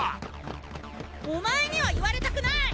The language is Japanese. お前には言われたくない！